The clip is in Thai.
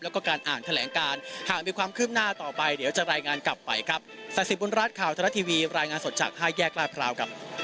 แล้วก็การอ่านแถลงการหากมีความคืบหน้าต่อไปเดี๋ยวจะรายงานกลับไปครับ